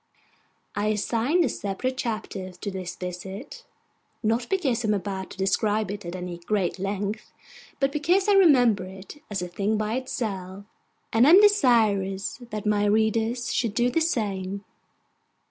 I assign a separate chapter to this visit; not because I am about to describe it at any great length, but because I remember it as a thing by itself, and am desirous that my readers should do the same.